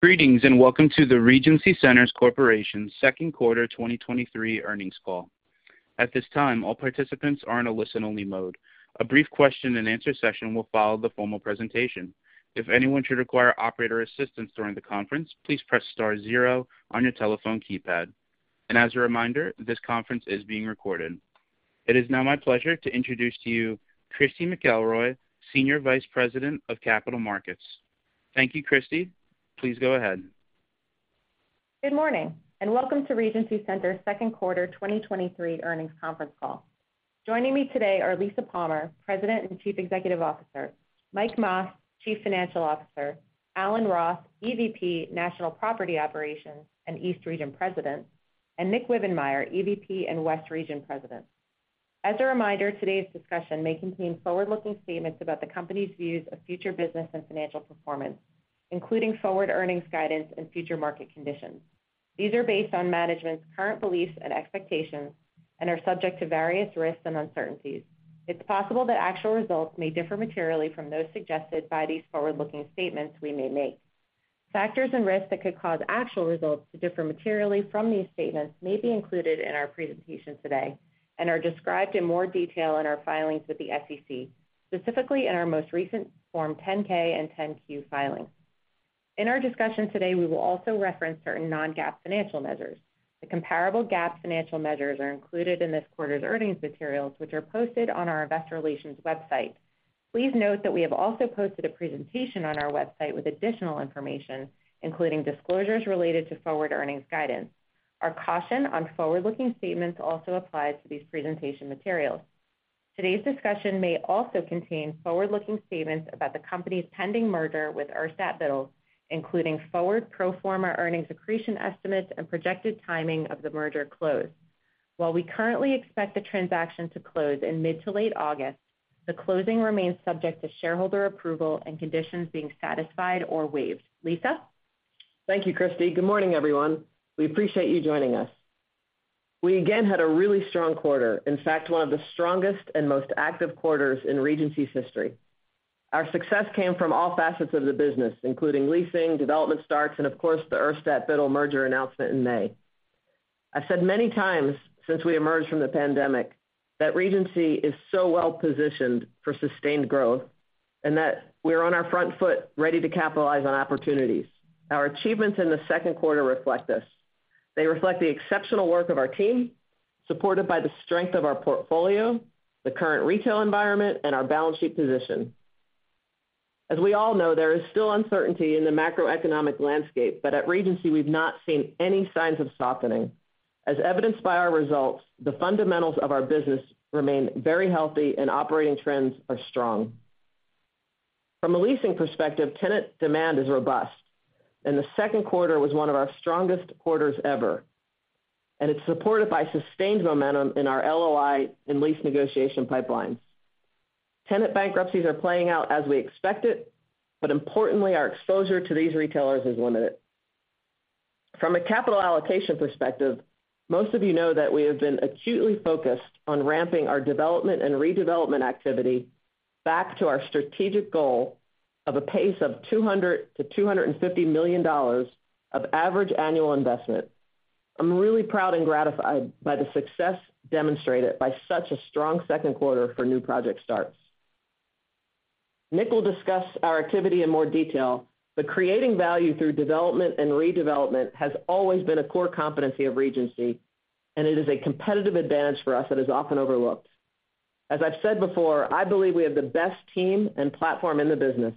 Greetings, welcome to the Regency Centers Corporation's second quarter 2023 earnings call. At this time, all participants are in a listen-only mode. A brief question-and-answer session will follow the formal presentation. If anyone should require operator assistance during the conference, please press star zero on your telephone keypad. As a reminder, this conference is being recorded. It is now my pleasure to introduce to you Kristy McElroy, Senior Vice President of Capital Markets. Thank you, Kristy. Please go ahead. Good morning, welcome to Regency Centers' second quarter 2023 earnings conference call. Joining me today are Lisa Palmer, President and Chief Executive Officer; Michael Mas, Chief Financial Officer; Alan Roth, EVP, National Property Operations and East Region President; and Nicholas Wibbenmeyer, EVP and West Region President. As a reminder, today's discussion may contain forward-looking statements about the company's views of future business and financial performance, including forward earnings guidance and future market conditions. These are based on management's current beliefs and expectations and are subject to various risks and uncertainties. It's possible that actual results may differ materially from those suggested by these forward-looking statements we may make. Factors and risks that could cause actual results to differ materially from these statements may be included in our presentation today and are described in more detail in our filings with the SEC, specifically in our most recent Form 10-K and 10-Q filings. In our discussion today, we will also reference certain non-GAAP financial measures. The comparable GAAP financial measures are included in this quarter's earnings materials, which are posted on our investor relations website. Please note that we have also posted a presentation on our website with additional information, including disclosures related to forward earnings guidance. Our caution on forward-looking statements also applies to these presentation materials. Today's discussion may also contain forward-looking statements about the company's pending merger with Urstadt Biddle, including forward pro forma earnings accretion estimates and projected timing of the merger close. While we currently expect the transaction to close in mid to late August, the closing remains subject to shareholder approval and conditions being satisfied or waived. Lisa? Thank you, Kristy. Good morning, everyone. We appreciate you joining us. We again had a really strong quarter, in fact, one of the strongest and most active quarters in Regency's history. Our success came from all facets of the business, including leasing, development starts, and of course, the Urstadt Biddle merger announcement in May. I've said many times since we emerged from the pandemic that Regency is so well positioned for sustained growth and that we're on our front foot, ready to capitalize on opportunities. Our achievements in the second quarter reflect this. They reflect the exceptional work of our team, supported by the strength of our portfolio, the current retail environment, and our balance sheet position. As we all know, there is still uncertainty in the macroeconomic landscape, but at Regency, we've not seen any signs of softening. As evidenced by our results, the fundamentals of our business remain very healthy, and operating trends are strong. From a leasing perspective, tenant demand is robust, and the second quarter was one of our strongest quarters ever, and it's supported by sustained momentum in our LOI and lease negotiation pipelines. Tenant bankruptcies are playing out as we expected, but importantly, our exposure to these retailers is limited. From a capital allocation perspective, most of you know that we have been acutely focused on ramping our development and redevelopment activity back to our strategic goal of a pace of $200 million-$250 million of average annual investment. I'm really proud and gratified by the success demonstrated by such a strong second quarter for new project starts. Nick will discuss our activity in more detail, but creating value through development and redevelopment has always been a core competency of Regency, and it is a competitive advantage for us that is often overlooked. As I've said before, I believe we have the best team and platform in the business,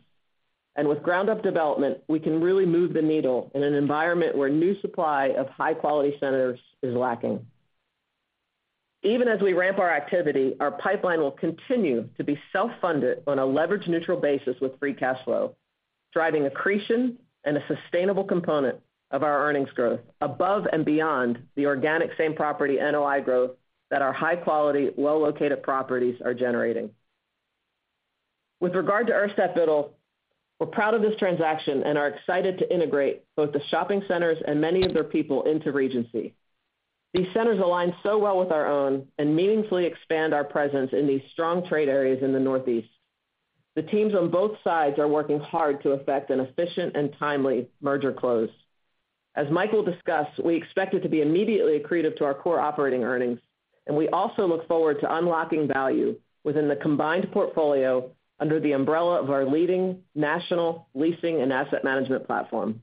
and with ground-up development, we can really move the needle in an environment where new supply of high-quality centers is lacking. Even as we ramp our activity, our pipeline will continue to be self-funded on a leverage-neutral basis with free cash flow, driving accretion and a sustainable component of our earnings growth above and beyond the organic same-property NOI growth that our high-quality, well-located properties are generating. With regard to Urstadt Biddle, we're proud of this transaction and are excited to integrate both the shopping centers and many of their people into Regency. These centers align so well with our own and meaningfully expand our presence in these strong trade areas in the Northeast. The teams on both sides are working hard to effect an efficient and timely merger close. As Mike will discuss, we expect it to be immediately accretive to our core operating earnings. We also look forward to unlocking value within the combined portfolio under the umbrella of our leading national leasing and asset management platform.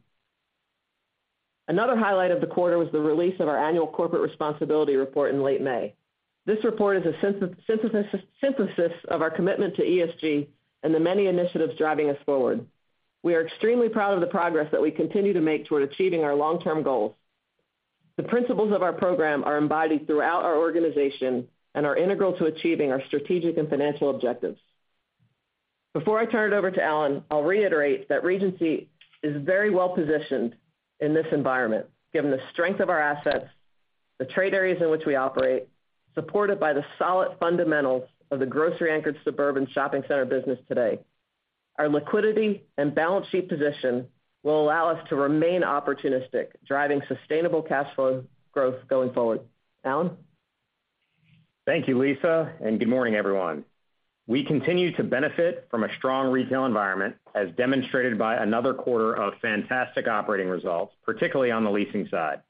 Another highlight of the quarter was the release of our annual corporate responsibility report in late May. This report is a synthesis of our commitment to ESG and the many initiatives driving us forward. We are extremely proud of the progress that we continue to make toward achieving our long-term goals. The principles of our program are embodied throughout our organization and are integral to achieving our strategic and financial objectives. Before I turn it over to Alan, I'll reiterate that Regency is very well positioned in this environment, given the strength of our assets, the trade areas in which we operate, supported by the solid fundamentals of the grocery-anchored suburban shopping center business today. Our liquidity and balance sheet position will allow us to remain opportunistic, driving sustainable cash flow growth going forward. Alan? Thank you, Lisa. Good morning, everyone. We continue to benefit from a strong retail environment, as demonstrated by another quarter of fantastic operating results, particularly on the leasing side.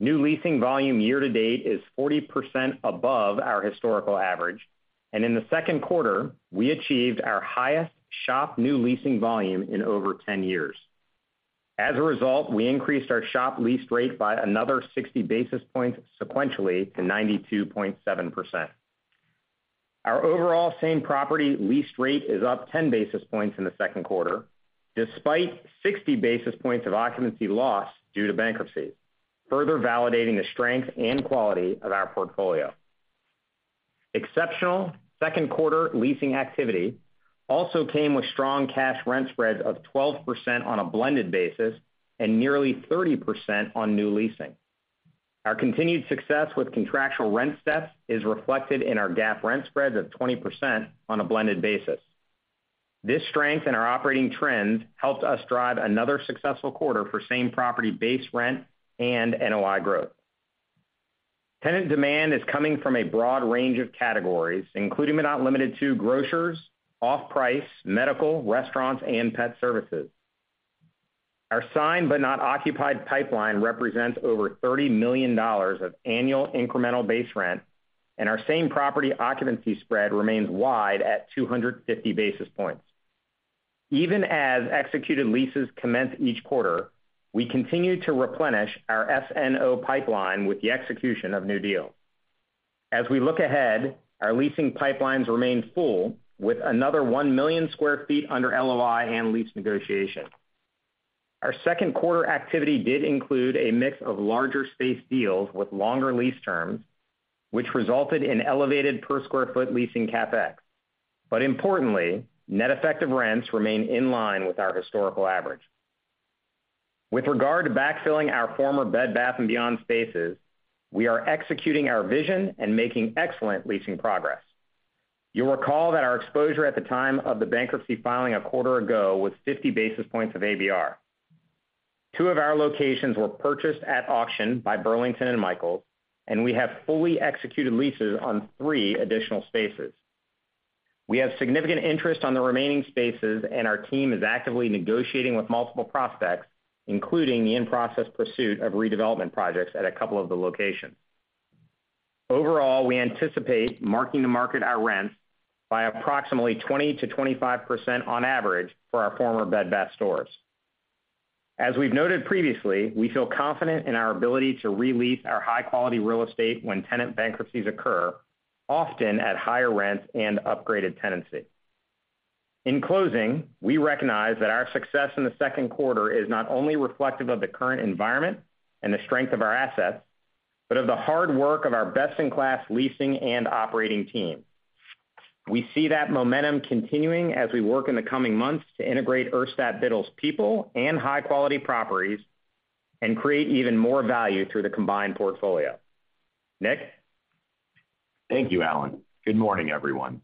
New leasing volume year to date is 40% above our historical average. In the second quarter, we achieved our highest shop new leasing volume in over 10 years. As a result, we increased our shop lease rate by another 60 basis points sequentially to 92.7%. Our overall same-property lease rate is up 10 basis points in the second quarter, despite 60 basis points of occupancy loss due to bankruptcy, further validating the strength and quality of our portfolio. Exceptional second quarter leasing activity also came with strong cash rent spreads of 12% on a blended basis and nearly 30% on new leasing. Our continued success with contractual rent steps is reflected in our GAAP rent spreads of 20% on a blended basis. This strength in our operating trends helped us drive another successful quarter for same-property base rent and NOI growth. Tenant demand is coming from a broad range of categories, including, but not limited to, grocers, off-price, medical, restaurants, and pet services. Our signed but not occupied pipeline represents over $30 million of annual incremental base rent, and our same-property occupancy spread remains wide at 250 basis points. Even as executed leases commence each quarter, we continue to replenish our SNO pipeline with the execution of new deals. We look ahead, our leasing pipelines remain full, with another 1 million sq ft under LOI and lease negotiation. Our second quarter activity did include a mix of larger space deals with longer lease terms, which resulted in elevated per square foot leasing CapEx. Importantly, net effective rents remain in line with our historical average. With regard to backfilling our former Bed Bath & Beyond spaces, we are executing our vision and making excellent leasing progress. You'll recall that our exposure at the time of the bankruptcy filing a quarter ago was 50 basis points of ABR. two of our locations were purchased at auction by Burlington and Michaels, and we have fully executed leases on 3 additional spaces. We have significant interest on the remaining spaces, our team is actively negotiating with multiple prospects, including the in-process pursuit of redevelopment projects at a couple of the locations. Overall, we anticipate marking to market our rents by approximately 20%-25% on average for our former Bed Bath & Beyond stores. As we've noted previously, we feel confident in our ability to re-lease our high-quality real estate when tenant bankruptcies occur, often at higher rents and upgraded tenancy. In closing, we recognize that our success in the second quarter is not only reflective of the current environment and the strength of our assets, but of the hard work of our best-in-class leasing and operating team. We see that momentum continuing as we work in the coming months to integrate Urstadt Biddle's people and high-quality properties and create even more value through the combined portfolio. Nick? Thank you, Alan. Good morning, everyone.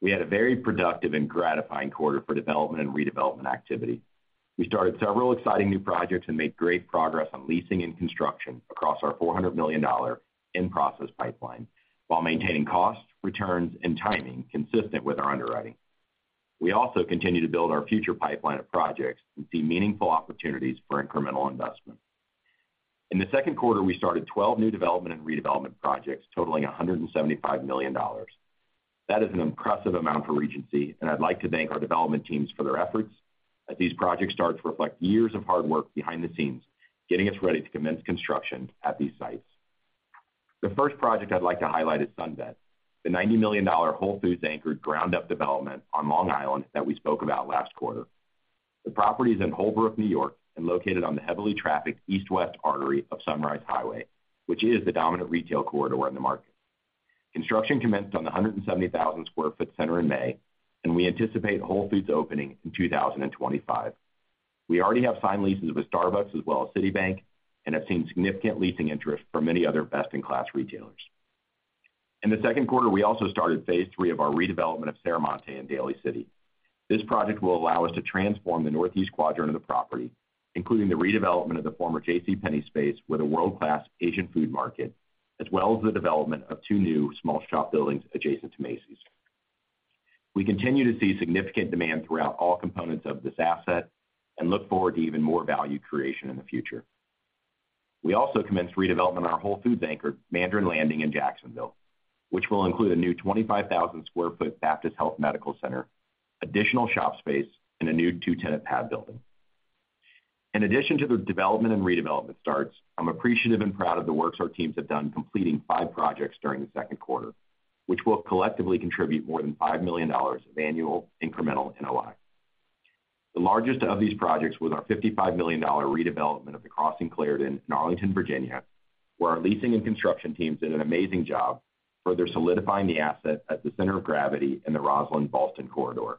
We had a very productive and gratifying quarter for development and redevelopment activity. We started several exciting new projects and made great progress on leasing and construction across our $400 million in-process pipeline, while maintaining costs, returns, and timing consistent with our underwriting. We also continue to build our future pipeline of projects and see meaningful opportunities for incremental investment. In the second quarter, we started 12 new development and redevelopment projects totaling $175 million. That is an impressive amount for Regency, and I'd like to thank our development teams for their efforts, as these project starts reflect years of hard work behind the scenes, getting us ready to commence construction at these sites. The first project I'd like to highlight is SunVet, the $90 million Whole Foods-anchored, ground-up development on Long Island that we spoke about last quarter. The property is in Holbrook, New York, located on the heavily trafficked east-west artery of Sunrise Highway, which is the dominant retail corridor in the market. Construction commenced on the 170,000 sq ft center in May. We anticipate Whole Foods opening in 2025. We already have signed leases with Starbucks as well as Citibank and have seen significant leasing interest from many other best-in-class retailers. In the second quarter, we also started phase three of our redevelopment of Serramonte in Daly City. This project will allow us to transform the northeast quadrant of the property, including the redevelopment of the former J.C. Penney space with a world-class Asian food market, as well as the development of two new small shop buildings adjacent to Macy's. We continue to see significant demand throughout all components of this asset and look forward to even more value creation in the future. We also commenced redevelopment on our Whole Foods anchor, Mandarin Landing in Jacksonville, which will include a new 25,000 sq ft Baptist Health Medical Center, additional shop space, and a new two-tenant pad building. In addition to the development and redevelopment starts, I'm appreciative and proud of the works our teams have done completing five projects during the second quarter, which will collectively contribute more than $5 million of annual incremental NOI. The largest of these projects was our $55 million redevelopment of The Crossing Clarendon in Arlington, Virginia, where our leasing and construction teams did an amazing job, further solidifying the asset at the center of gravity in the Rosslyn-Ballston corridor.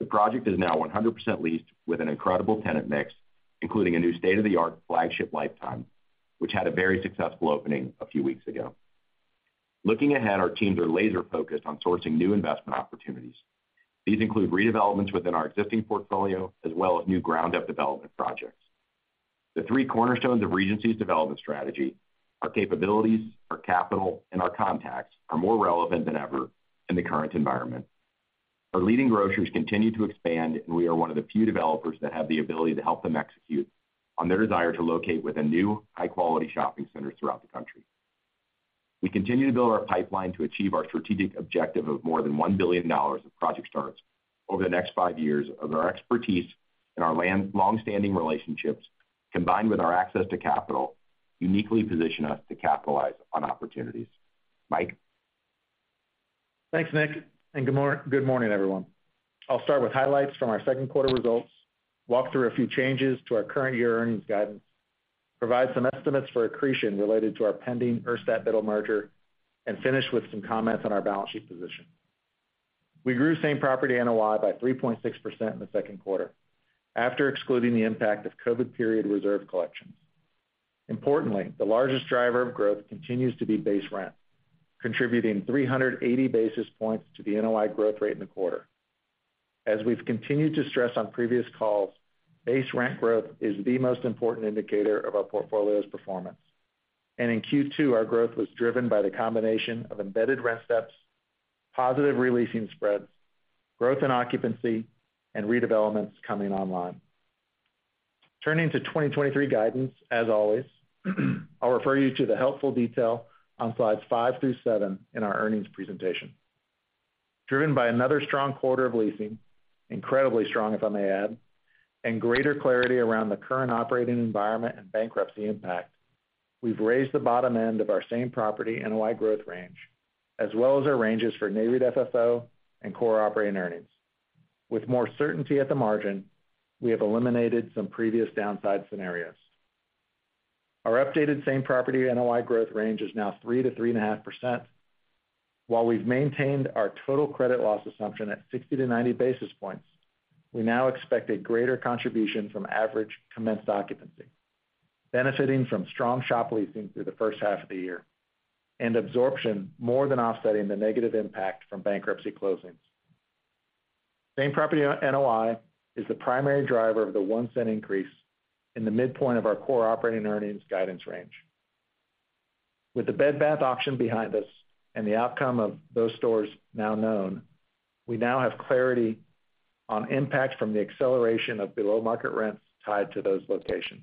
The project is now 100% leased with an incredible tenant mix, including a new state-of-the-art flagship Life Time, which had a very successful opening a few weeks ago. Looking ahead, our teams are laser-focused on sourcing new investment opportunities. These include redevelopments within our existing portfolio, as well as new ground-up development projects. The three cornerstones of Regency's development strategy, our capabilities, our capital, and our contacts, are more relevant than ever in the current environment. Our leading grocers continue to expand, we are one of the few developers that have the ability to help them execute on their desire to locate within new, high-quality shopping centers throughout the country. We continue to build our pipeline to achieve our strategic objective of more than $1 billion of project starts over the next five years, as our expertise and our long-standing relationships, combined with our access to capital, uniquely position us to capitalize on opportunities. Mike? Thanks, Nick. Good morning, everyone. I'll start with highlights from our second quarter results, walk through a few changes to our current year earnings guidance, provide some estimates for accretion related to our pending Urstadt Biddle merger, and finish with some comments on our balance sheet position. We grew same-property NOI by 3.6% in the second quarter, after excluding the impact of COVID period reserve collections. Importantly, the largest driver of growth continues to be base rent, contributing 380 basis points to the NOI growth rate in the quarter. As we've continued to stress on previous calls, base rent growth is the most important indicator of our portfolio's performance. In Q2, our growth was driven by the combination of embedded rent steps, positive re-leasing spreads, growth in occupancy, and redevelopments coming online. Turning to 2023 guidance, as always, I'll refer you to the helpful detail on slides five through seven in our earnings presentation. Driven by another strong quarter of leasing, incredibly strong, if I may add, and greater clarity around the current operating environment and bankruptcy impact, we've raised the bottom end of our same-property NOI growth range, as well as our ranges for Nareit FFO and core operating earnings. With more certainty at the margin, we have eliminated some previous downside scenarios. Our updated same-property NOI growth range is now 3% to 3.5%. While we've maintained our total credit loss assumption at 60-90 basis points, we now expect a greater contribution from average commenced occupancy, benefiting from strong shop leasing through the first half of the year, and absorption more than offsetting the negative impact from bankruptcy closings. Same-property NOI is the primary driver of the $0.01 increase in the midpoint of our core operating earnings guidance range. With the Bed Bath auction behind us and the outcome of those stores now known, we now have clarity on impact from the acceleration of below-market rents tied to those locations.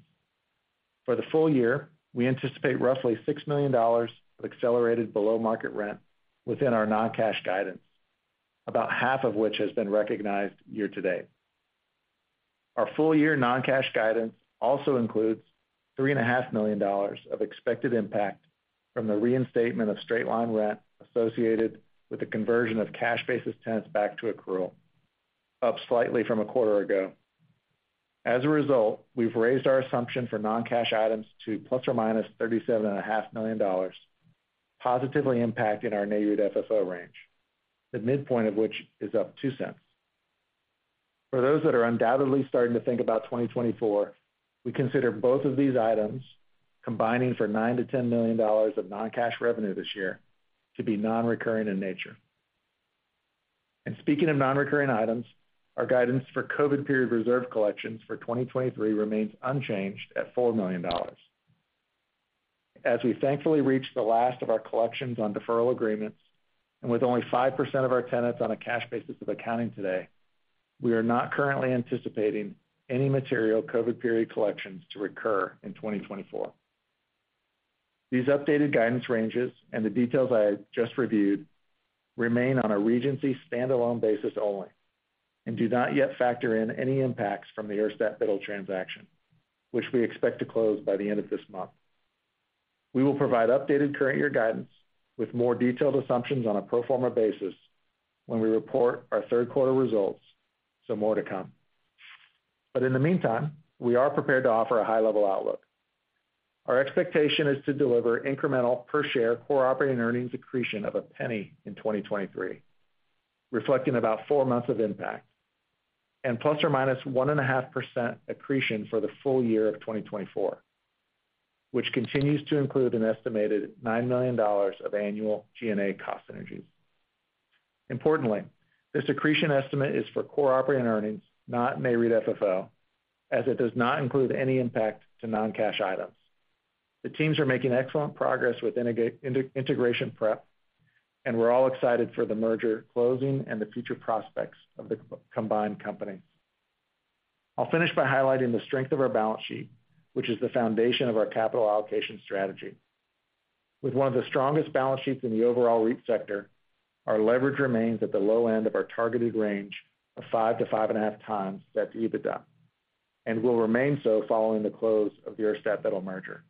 For the full year, we anticipate roughly $6 million of accelerated below-market rent within our non-cash guidance, about half of which has been recognized year-to-date. Our full-year non-cash guidance also includes $3.5 million of expected impact from the reinstatement of straight-line rent associated with the conversion of cash-basis tenants back to accrual, up slightly from a quarter ago. As a result, we've raised our assumption for non-cash items to plus or minus $37.5 million, positively impacting our Nareit FFO range, the midpoint of which is up $0.02. For those that are undoubtedly starting to think about 2024, we consider both of these items, combining for $9 million-$10 million of non-cash revenue this year, to be non-recurring in nature. Speaking of non-recurring items, our guidance for COVID period reserve collections for 2023 remains unchanged at $4 million. As we thankfully reach the last of our collections on deferral agreements, and with only 5% of our tenants on a cash basis of accounting today, we are not currently anticipating any material COVID period collections to recur in 2024. These updated guidance ranges and the details I just reviewed remain on a Regency standalone basis only and do not yet factor in any impacts from the Urstadt Biddle transaction, which we expect to close by the end of this month. We will provide updated current year guidance with more detailed assumptions on a pro forma basis when we report our third quarter results, more to come. In the meantime, we are prepared to offer a high-level outlook. Our expectation is to deliver incremental per-share core operating earnings accretion of $0.01 in 2023, reflecting about 4 months of impact, and ±1.5% accretion for the full year of 2024, which continues to include an estimated $9 million of annual G&A cost synergies. Importantly, this accretion estimate is for core operating earnings, not Nareit FFO, as it does not include any impact to non-cash items. The teams are making excellent progress with integration prep, and we're all excited for the merger closing and the future prospects of the combined company. I'll finish by highlighting the strength of our balance sheet, which is the foundation of our capital allocation strategy. With one of the strongest balance sheets in the overall REIT sector, our leverage remains at the low end of our targeted range of 5 to 5.5 times debt to EBITDA, and will remain so following the close of the Urstadt Biddle merger.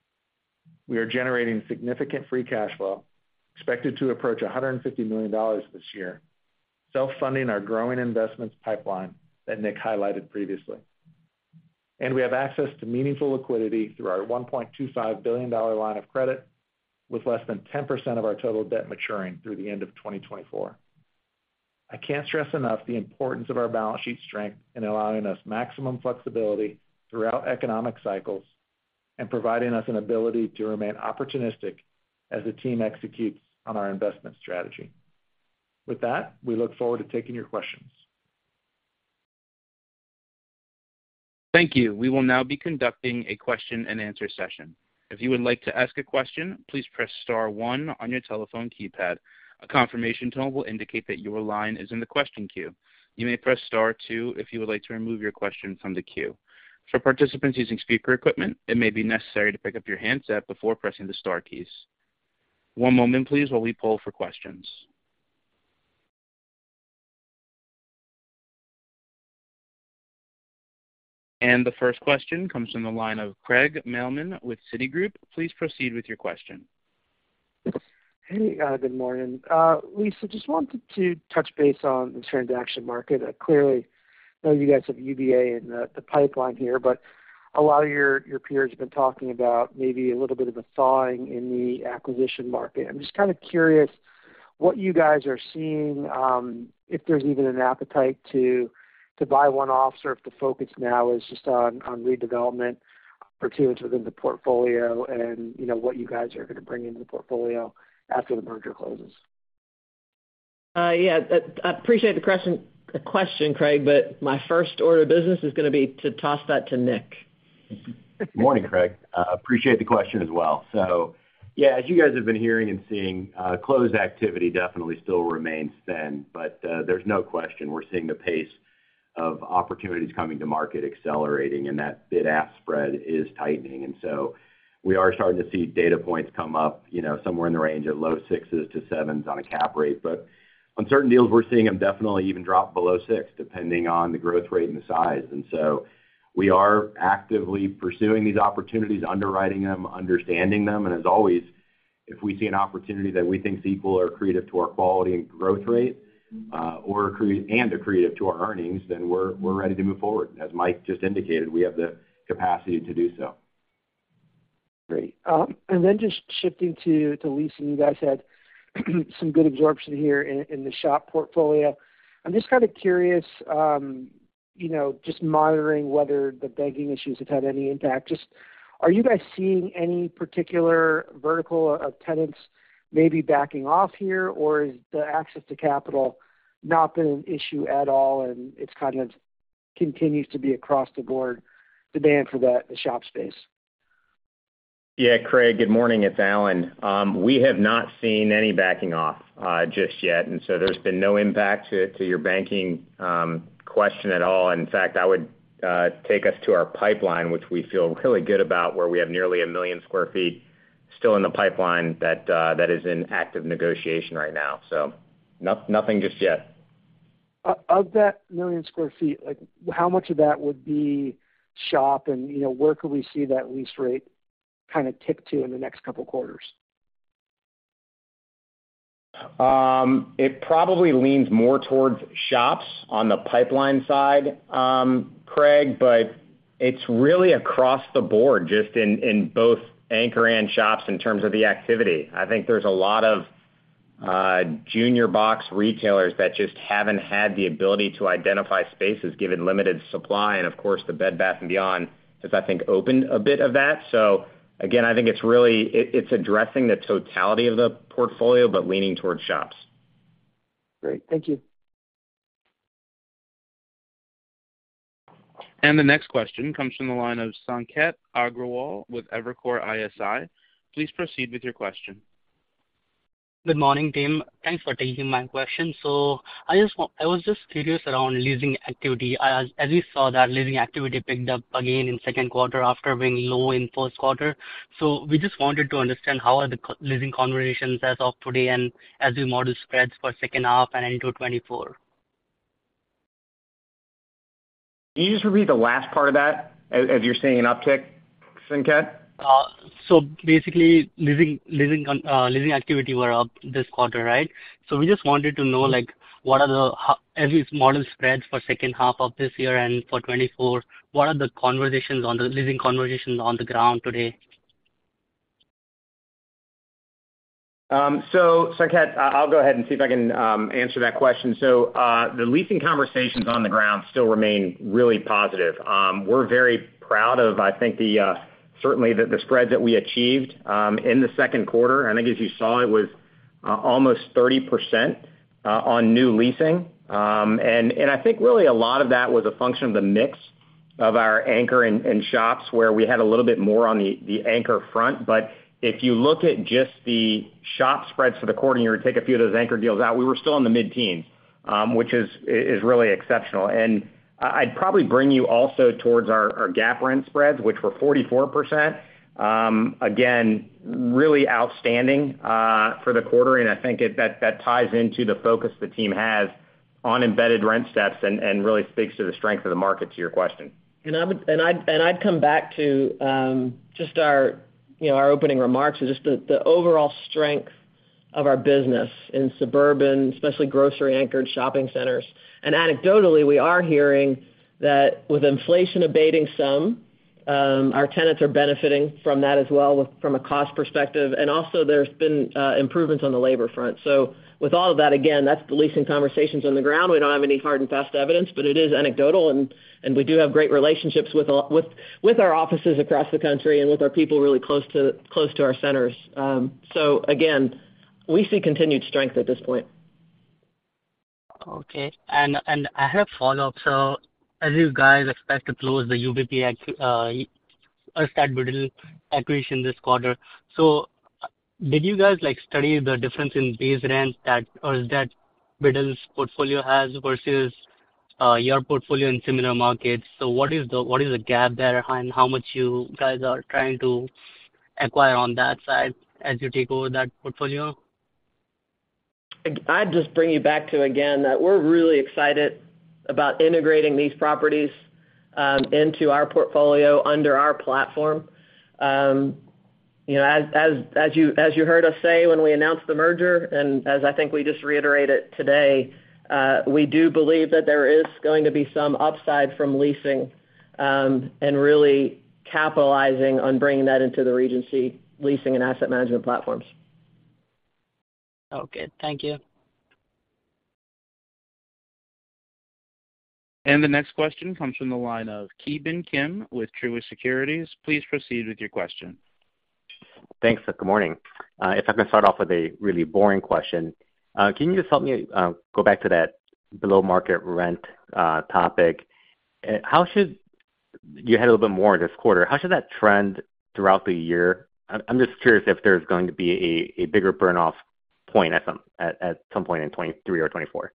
We are generating significant free cash flow, expected to approach $150 million this year, self-funding our growing investments pipeline that Nick highlighted previously. We have access to meaningful liquidity through our $1.25 billion line of credit, with less than 10% of our total debt maturing through the end of 2024. I can't stress enough the importance of our balance sheet strength in allowing us maximum flexibility throughout economic cycles and providing us an ability to remain opportunistic as the team executes on our investment strategy. With that, we look forward to taking your questions. Thank you. We will now be conducting a question-and-answer session. If you would like to ask a question, please press star one on your telephone keypad. A confirmation tone will indicate that your line is in the question queue. You may press star two if you would like to remove your question from the queue. For participants using speaker equipment, it may be necessary to pick up your handset before pressing the star keys. One moment please, while we poll for questions. The first question comes from the line of Craig Mailman with Citigroup. Please proceed with your question. Hey, good morning. Lisa, just wanted to touch base on the transaction market. Clearly, I know you guys have UBA in the pipeline here. A lot of your peers have been talking about maybe a little bit of a thawing in the acquisition market. I'm just kind of curious what you guys are seeing, if there's even an appetite to buy one off, or if the focus now is just on redevelopment opportunities within the portfolio, and, you know, what you guys are going to bring into the portfolio after the merger closes. Yeah, I appreciate the question, question, Craig. My first order of business is gonna be to toss that to Nick. Good morning, Craig. I appreciate the question as well. Yeah, as you guys have been hearing and seeing, closed activity definitely still remains thin, but there's no question we're seeing the pace of opportunities coming to market accelerating, and that bid-ask spread is tightening. We are starting to see data points come up, you know, somewhere in the range of low 6s to 7s on a cap rate. On certain deals, we're seeing them definitely even drop below 6, depending on the growth rate and the size. We are actively pursuing these opportunities, underwriting them, understanding them, and as always, if we see an opportunity that we think is equal or accretive to our quality and growth rate, or and accretive to our earnings, then we're, we're ready to move forward. As Mike just indicated, we have the capacity to do so. Great. Just shifting to, to leasing, you guys had some good absorption here in, in the shop portfolio. I'm just kind of curious, you know, just monitoring whether the banking issues have had any impact. Just, are you guys seeing any particular vertical of tenants maybe backing off here, or has the access to capital not been an issue at all, and it's kind of continues to be across the board, demand for the, the shop space? Yeah, Craig, good morning, it's Alan. We have not seen any backing off just yet, there's been no impact to your banking question at all. In fact, that would take us to our pipeline, which we feel really good about, where we have nearly 1 million square feet still in the pipeline that is in active negotiation right now. Nothing just yet. Of that 1 million sq ft, like, how much of that would be shop, and, you know, where could we see that lease rate kind of tick to in the next quarters? It probably leans more towards shops on the pipeline side, Craig. It's really across the board, just in both anchor and shops in terms of the activity. I think there's a lot of junior box retailers that just haven't had the ability to identify spaces, given limited supply. Of course, the Bed Bath & Beyond has, I think, opened a bit of that. Again, I think it's really addressing the totality of the portfolio, but leaning towards shops. Great. Thank you. The next question comes from the line of Sanket Agrawal with Evercore ISI. Please proceed with your question. Good morning, team. Thanks for taking my question. I was just curious around leasing activity. As we saw, that leasing activity picked up again in second quarter after being low in first quarter. We just wanted to understand how are the leasing conversations as of today and as we model spreads for second half and into 2024. Can you just repeat the last part of that? As, as you're seeing an uptick, Sanket? Basically, leasing, leasing, leasing activity were up this quarter, right? We just wanted to know, like, how as we model spreads for second half of this year and for 24, what are the conversations on the leasing conversations on the ground today? Sanket, I-I'll go ahead and see if I can answer that question. The leasing conversations on the ground still remain really positive. We're very proud of, I think, the certainly the spread that we achieved in the second quarter. I think, as you saw, it was almost 30% on new leasing. I think really a lot of that was a function of the mix of our anchor and shops, where we had a little bit more on the anchor front. If you look at just the shop spreads for the quarter, and you take a few of those anchor deals out, we were still in the mid-teens, which is really exceptional. I, I'd probably bring you also towards our gap rent spreads, which were 44%. Again, really outstanding, for the quarter, and I think it, that, that ties into the focus the team has on embedded rent steps and, and really speaks to the strength of the market, to your question. I'd come back to, just our, you know, our opening remarks and just the, the overall strength of our business in suburban, especially grocery-anchored shopping centers. Anecdotally, we are hearing that with inflation abating some, our tenants are benefiting from that as well with, from a cost perspective, and also there's been improvements on the labor front. With all of that, again, that's the leasing conversations on the ground. We don't have any hard and fast evidence, but it is anecdotal, and we do have great relationships with our offices across the country and with our people really close to, close to our centers. Again- we see continued strength at this point. Okay. I have follow-up. As you guys expect to close the UBP ac- Urstadt Biddle acquisition this quarter, did you guys, like, study the difference in base rent that, or is that Urstadt Biddle's portfolio has versus, your portfolio in similar markets? What is the gap there, and how much you guys are trying to acquire on that side as you take over that portfolio? I'd just bring you back to, again, that we're really excited about integrating these properties, into our portfolio under our platform. You know, as, as, as you, as you heard us say when we announced the merger, and as I think we just reiterated today, we do believe that there is going to be some upside from leasing, and really capitalizing on bringing that into the Regency leasing and asset management platforms. Okay, thank you. The next question comes from the line of Ki Bin Kim with Truist Securities. Please proceed with your question. Thanks, good morning. If I can start off with a really boring question, can you just help me go back to that below-market rent topic? You had a little bit more this quarter. How should that trend throughout the year? I'm just curious if there's going to be a bigger burn-off point at some point in 2023 or 2024.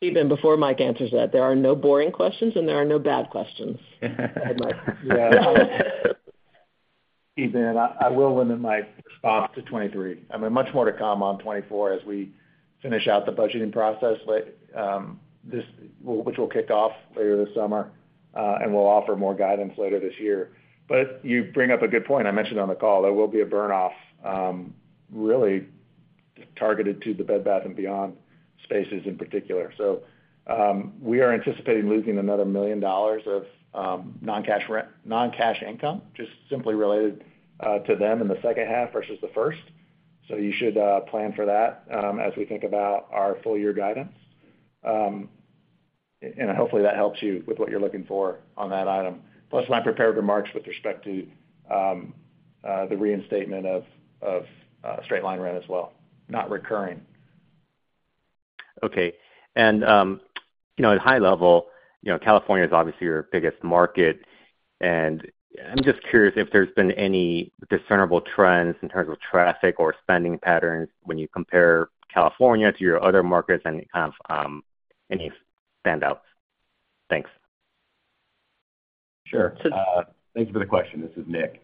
Ki Bin, before Mike answers that, there are no boring questions, and there are no bad questions. Yeah. Ki Bin, I, I will limit my response to 23. I mean, much more to come on 2024 as we finish out the budgeting process, this, which will kick off later this summer, and we'll offer more guidance later this year. You bring up a good point. I mentioned on the call, there will be a burn-off, really targeted to the Bed Bath & Beyond spaces in particular. We are anticipating losing another $1 million of non-cash rent-- non-cash income, just simply related to them in the second half versus the first. You should plan for that as we think about our full-year guidance. Hopefully, that helps you with what you're looking for on that item. Plus, my prepared remarks with respect to, the reinstatement of, of, straight-line rent as well, not recurring. Okay. you know, at high level, you know, California is obviously your biggest market, and I'm just curious if there's been any discernible trends in terms of traffic or spending patterns when you compare California to your other markets and kind of, any standouts? Thanks. Sure. Thanks for the question. This is Nick.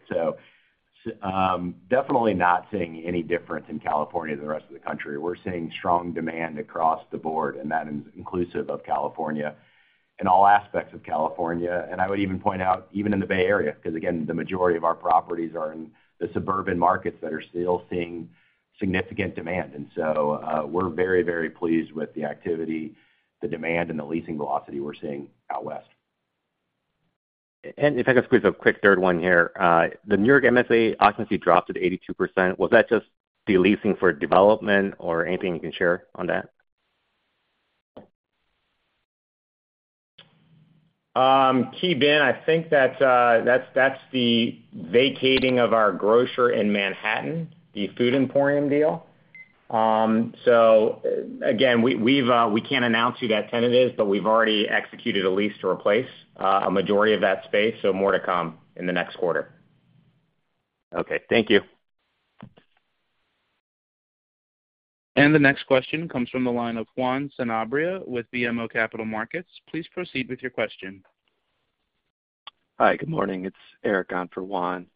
Definitely not seeing any difference in California than the rest of the country. We're seeing strong demand across the board, that is inclusive of California, in all aspects of California. I would even point out, even in the Bay Area, because, again, the majority of our properties are in the suburban markets that are still seeing significant demand. We're very, very pleased with the activity, the demand, and the leasing velocity we're seeing out west. If I could squeeze a quick third one here. The New York MSA occupancy dropped to 82%. Was that just the leasing for development or anything you can share on that? Ki Bin, I think that's the vacating of our grocer in Manhattan, the Food Emporium deal. Again, we, we've, we can't announce who that tenant is, but we've already executed a lease to replace a majority of that space, so more to come in the next quarter. Okay. Thank you. The next question comes from the line of Juan Sanabria with BMO Capital Markets. Please proceed with your question. Hi, good morning. It's Eric on for Juan.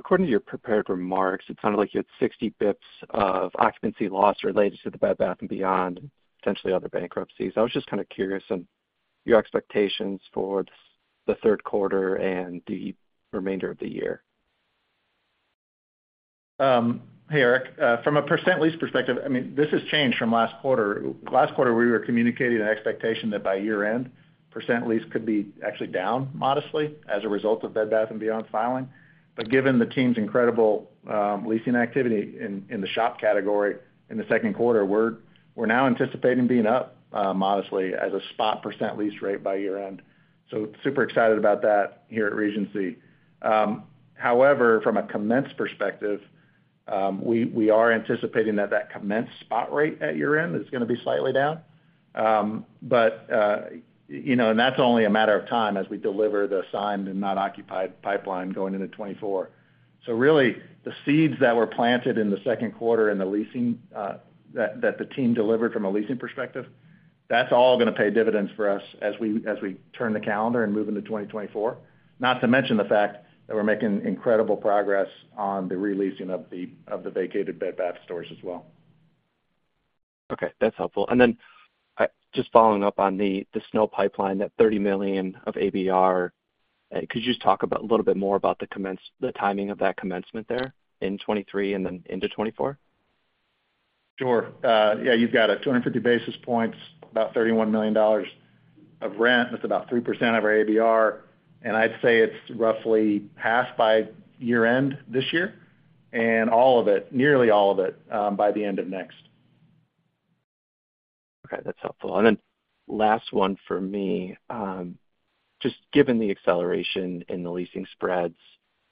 According to your prepared remarks, it sounded like you had 60 basis points of occupancy loss related to the Bed Bath & Beyond and potentially other bankruptcies. I was just kind of curious on your expectations for the third quarter and the remainder of the year. Hey, Eric. From a % lease perspective, I mean, this has changed from last quarter. Last quarter, we were communicating an expectation that by year-end, % lease could be actually down modestly as a result of Bed Bath & Beyond's filing. Given the team's incredible leasing activity in the shop category in the second quarter, we're now anticipating being up modestly as a spot % lease rate by year-end. Super excited about that here at Regency. However, from a commenced perspective, we are anticipating that that commenced spot rate at year-end is gonna be slightly down. You know, and that's only a matter of time as we deliver the signed and not occupied pipeline going into 2024. Really, the seeds that were planted in the second quarter and the leasing that the team delivered from a leasing perspective, that's all gonna pay dividends for us as we, as we turn the calendar and move into 2024. Not to mention the fact that we're making incredible progress on the releasing of the, of the vacated Bed Bath stores as well. Okay, that's helpful. Just following up on the SNO pipeline, that $30 million of ABR, could you just talk about, a little bit more about the commence-- the timing of that commencement there in 2023 and then into 2024? Sure. Yeah, you've got it. 250 basis points, about $31 million of rent, that's about 3% of our ABR, and I'd say it's roughly half by year-end this year, and all of it, nearly all of it, by the end of next. Okay, that's helpful. Last one for me, just given the acceleration in the leasing spreads,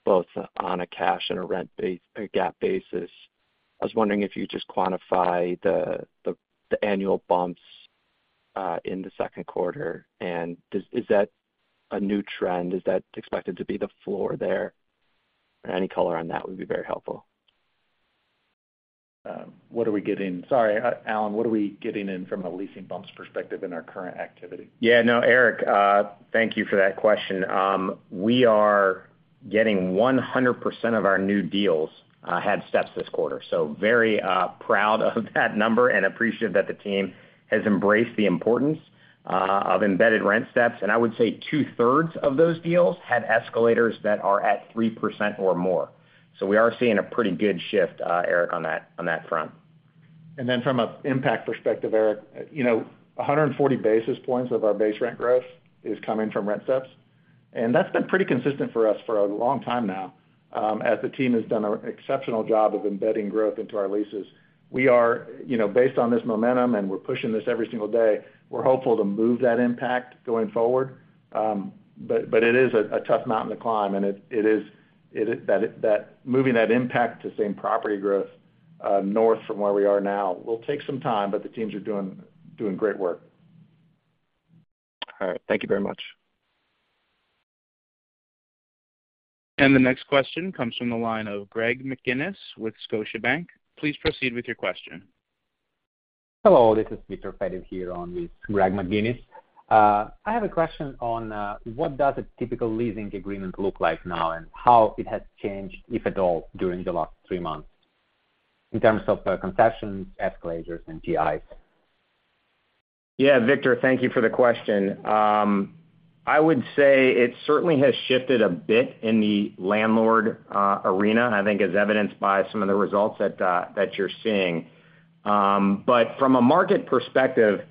both on a cash and a rent bas- a GAAP basis, I was wondering if you just quantify the annual bumps in the second quarter. Is that a new trend? Is that expected to be the floor there? Any color on that would be very helpful. What are we getting? Sorry, Alan, what are we getting in from a leasing bumps perspective in our current activity? Yeah, no, Eric, thank you for that question. We are getting 100% of our new deals had steps this quarter, so very proud of that number and appreciative that the team has embraced the importance of embedded rent steps. I would say two-thirds of those deals had escalators that are at 3% or more. We are seeing a pretty good shift, Eric, on that, on that front. Then from an impact perspective, Eric, you know, 140 basis points of our base rent growth is coming from rent steps, and that's been pretty consistent for us for a long time now, as the team has done an exceptional job of embedding growth into our leases. We are, you know, based on this momentum, and we're pushing this every single day, we're hopeful to move that impact going forward. It is a, a tough mountain to climb, and moving that impact to same property growth north from where we are now, will take some time, but the teams are doing, doing great work. All right. Thank you very much. The next question comes from the line of Greg McGinniss with Scotiabank. Please proceed with your question. Hello, this is Viktor Fediv here on with Greg McGinniss. I have a question on what does a typical leasing agreement look like now and how it has changed, if at all, during the last 3 months in terms of concessions, escalators and TIs? Yeah, Viktor, thank you for the question. I would say it certainly has shifted a bit in the landlord arena, I think as evidenced by some of the results that you're seeing. From a market perspective,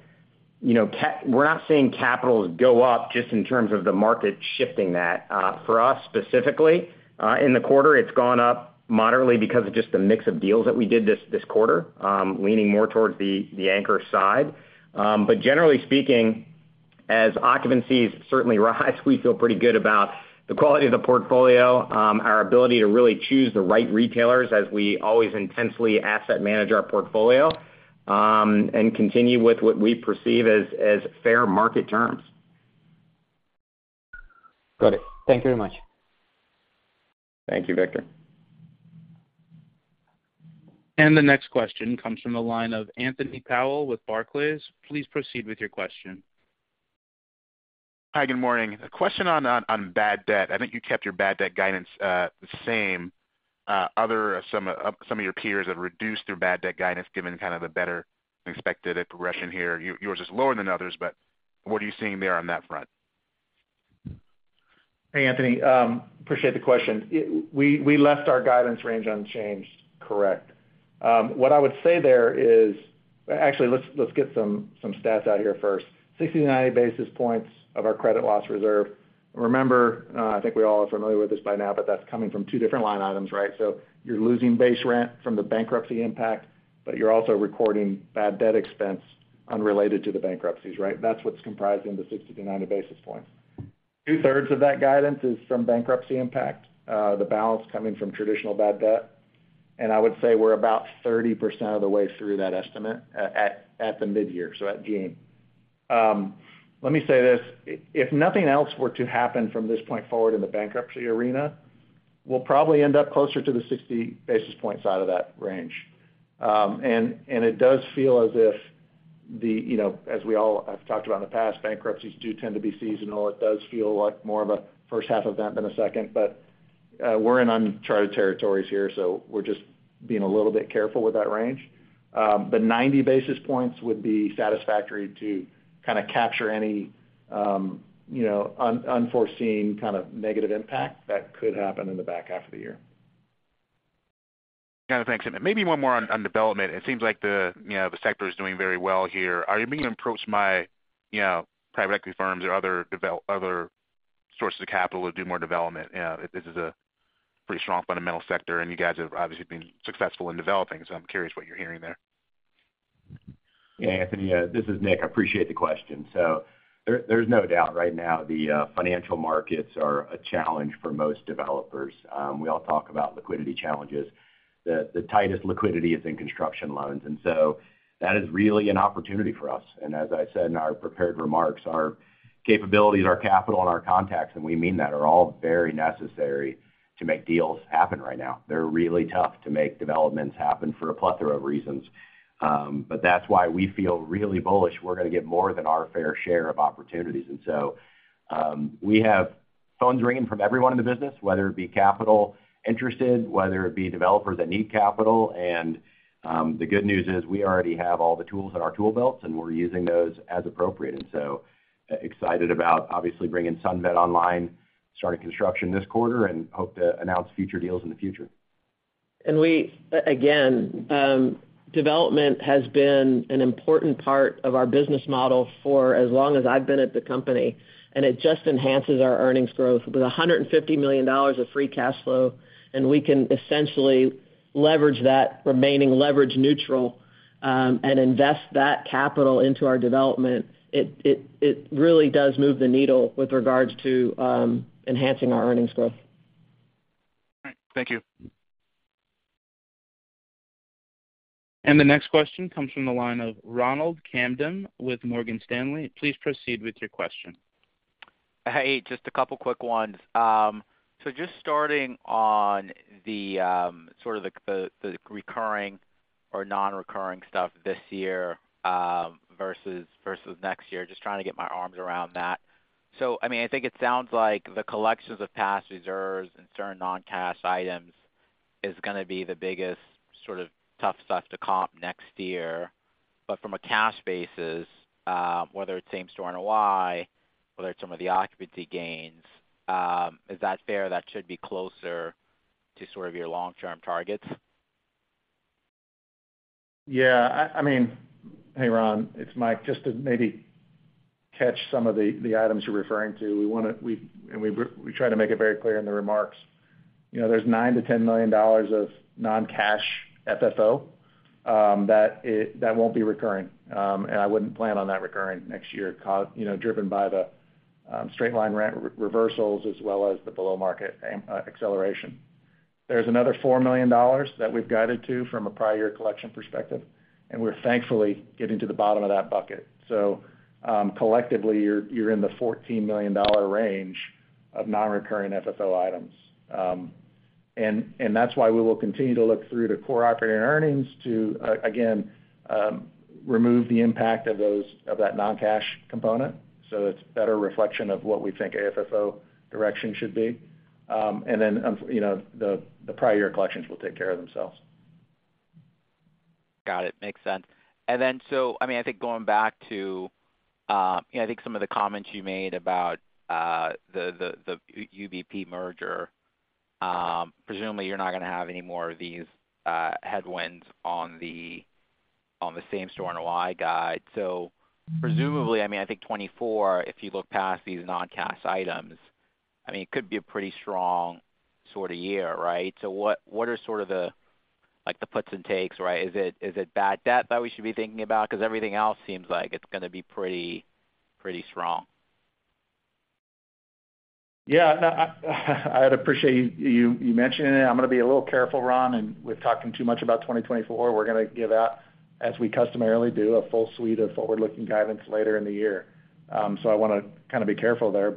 you know, we're not seeing capital go up just in terms of the market shifting that. For us specifically, in the quarter, it's gone up moderately because of just the mix of deals that we did this, this quarter, leaning more towards the, the anchor side. Generally speaking, as occupancies certainly rise, we feel pretty good about the quality of the portfolio, our ability to really choose the right retailers as we always intensely asset manage our portfolio, and continue with what we perceive as, as fair market terms. Got it. Thank you very much. Thank you, Viktor. The next question comes from the line of Anthony Powell with Barclays. Please proceed with your question. Hi, good morning. A question on, on, on bad debt. I think you kept your bad debt guidance, the same. Other, some of, some of your peers have reduced their bad debt guidance, given kind of the better expected progression here. Yours is lower than others, but what are you seeing there on that front? Hey, Anthony, appreciate the question. We left our guidance range unchanged, correct. What I would say there is. Actually, let's get some stats out here first. 60-90 basis points of our credit loss reserve. Remember, I think we all are familiar with this by now, but that's coming from two different line items, right? So you're losing base rent from the bankruptcy impact, but you're also recording bad debt expense unrelated to the bankruptcies, right? That's what's comprising the 60-90 basis points. Two-thirds of that guidance is from bankruptcy impact, the balance coming from traditional bad debt. I would say we're about 30% of the way through that estimate at the midyear, so at June. Let me say this, if nothing else were to happen from this point forward in the bankruptcy arena, we'll probably end up closer to the 60 basis point side of that range. It does feel as if the, you know, as we all have talked about in the past, bankruptcies do tend to be seasonal. It does feel like more of a first half event than a second, we're in uncharted territories here, so we're just being a little bit careful with that range. 90 basis points would be satisfactory to kind of capture any, you know, unforeseen kind of negative impact that could happen in the back half of the year. Got it. Thanks. Maybe one more on, on development. It seems like the, you know, the sector is doing very well here. Are you being approached by, you know, private equity firms or other sources of capital to do more development? This is a pretty strong fundamental sector, and you guys have obviously been successful in developing, so I'm curious what you're hearing there. Yeah, Anthony, this is Nick. I appreciate the question. There, there's no doubt right now the financial markets are a challenge for most developers. We all talk about liquidity challenges. The, the tightest liquidity is in construction loans, and so that is really an opportunity for us. As I said in our prepared remarks, our capabilities, our capital, and our contacts, and we mean that, are all very necessary to make deals happen right now. They're really tough to make developments happen for a plethora of reasons. But that's why we feel really bullish we're going to get more than our fair share of opportunities. We have phones ringing from everyone in the business, whether it be capital interested, whether it be developers that need capital. The good news is, we already have all the tools in our tool belts, and we're using those as appropriate. Excited about, obviously, bringing SunVet online, started construction this quarter, and hope to announce future deals in the future. We, again, development has been an important part of our business model for as long as I've been at the company, and it just enhances our earnings growth. With $150 million of free cash flow, and we can essentially leverage that remaining leverage neutral, and invest that capital into our development, it, it, it really does move the needle with regards to, enhancing our earnings growth. All right. Thank you. The next question comes from the line of Ronald Kamdem with Morgan Stanley. Please proceed with your question. Hey, just two quick ones. Just starting on the sort of the recurring or nonrecurring stuff this year versus next year. Just trying to get my arms around that. I mean, I think it sounds like the collections of past reserves and certain non-cash items is gonna be the biggest sort of tough stuff to comp next year. From a cash basis, whether it's same store NOI, whether it's some of the occupancy gains, is that fair, that should be closer to sort of your long-term targets? Yeah, I mean. Hey, Ron, it's Mike. Just to maybe catch some of the items you're referring to, we, and we, we try to make it very clear in the remarks, you know, there's $9 million-$10 million of non-cash FFO that won't be recurring. I wouldn't plan on that recurring next year, you know, driven by the straight-line reversals as well as the below-market acceleration. There's another $4 million that we've guided to from a prior collection perspective, and we're thankfully getting to the bottom of that bucket. Collectively, you're, you're in the $14 million range of nonrecurring FFO items. That's why we will continue to look through the core operating earnings to, again, remove the impact of those, of that non-cash component. It's a better reflection of what we think AFFO direction should be. And then, you know, the, the prior year collections will take care of themselves. Got it. Makes sense. I mean, I think going back to, you know, I think some of the comments you made about the UBP merger, presumably, you're not gonna have any more of these headwinds on the same store NOI guide. Presumably, I mean, I think 2024, if you look past these non-cash items, I mean, it could be a pretty strong sort of year, right? What, what are sort of the, like, the puts and takes, right? Is it, is it bad debt that we should be thinking about? Because everything else seems like it's gonna be pretty, pretty strong. Yeah. No, I, I'd appreciate you, you mentioning it. I'm gonna be a little careful, Ron, with talking too much about 2024. We're gonna give out, as we customarily do, a full suite of forward-looking guidance later in the year. I wanna kind of be careful there.